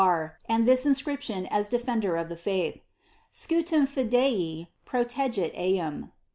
It, and this inacription w defeadtf of the (aith — ^Scutum Fidei Proteoet Eam."